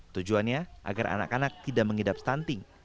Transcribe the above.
tujuannya agar anak anak tidak mengidap stunting